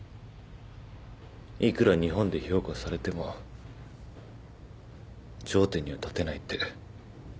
いくら日本で評価されても頂点には立てないって。